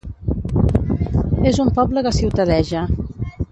És un poble que ciutadeja.